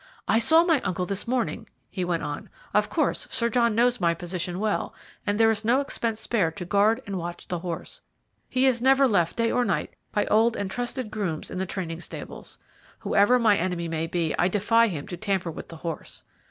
"I saw my uncle this morning," he went on. "Of course, Sir John knows my position well, and there is no expense spared to guard and watch the horse. He is never left day or night by old and trusted grooms in the training stables. Whoever my enemy may be, I defy him to tamper with the horse.